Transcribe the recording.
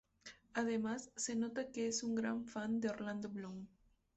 Además se nota que es una gran fan de Orlando Bloom.